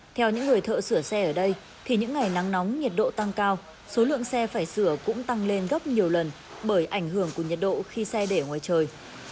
theo những người thợ sửa xe ở đây thì những ngày nắng nóng nhiệt độ tăng cao số lượng xe phải sửa cũng tăng lên gấp nhiều lần bởi ảnh hưởng của nhiệt độ khi xe để ngoài trời